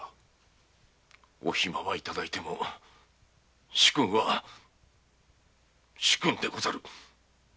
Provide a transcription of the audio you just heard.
お暇はいただいても主君は主君でござる。